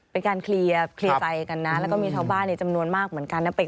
เป็นการเคลียร์ใจกันนะแล้วก็มีชาวบ้านในจำนวนมากเหมือนกันนะ